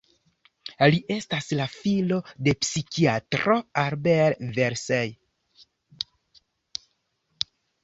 Li estas la filo de psikiatro Albert Veress.